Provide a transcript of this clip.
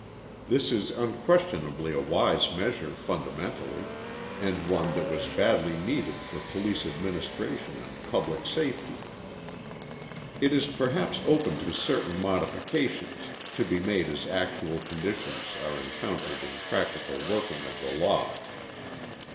This is unquestionably a wise measure fundamentally, and one that was badly needed for police administration and public safety. It is perhaps open to certain modifications, to be made as actual conditions are encountered in practical working of the law.